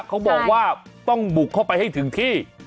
เขาบอกว่าต้องบุกเข้าไปให้ถึงที่